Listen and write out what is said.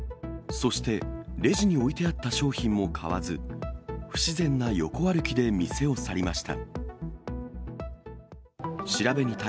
そして、レジに置いてあった商品も買わず、不自然な横歩きで店を去りました。